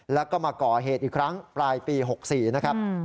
แล้วก็มาก่อเหตุอีกครั้งปลายปี๖๔นะครับ